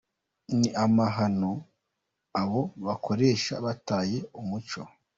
Ni amahano, abo bakoresha bataye umuco.